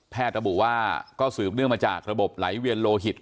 ระบุว่าก็สืบเนื่องมาจากระบบไหลเวียนโลหิต